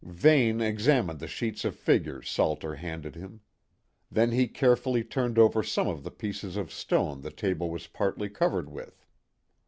Vane examined the sheet of figures Salter handed him. Then he carefully turned over some of the pieces of stone the table was partly covered with.